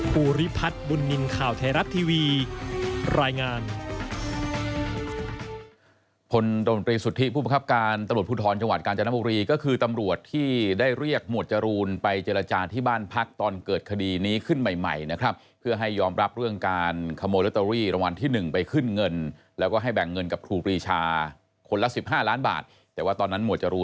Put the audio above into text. ภูริพัฒน์บุญนินทร์ข่าวไทยรัฐทีวีรายงาน